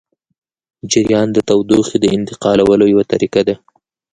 جریان د تودوخې د انتقالولو یوه طریقه ده.